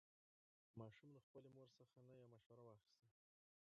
ماشوم له خپلې مور څخه نوې مشوره واخیسته